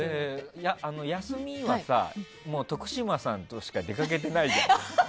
休みはさ、徳島さんとしか出かけてないでしょ。